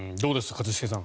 一茂さん。